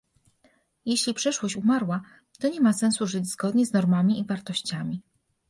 Jeśli przeszłość umarła, to nie ma sensu żyć zgodnie z normami i wartościami